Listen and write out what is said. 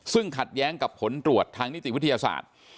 ซึ่งขัดแย้งกับผลตรวจทางนิติวิทยาศาสตร์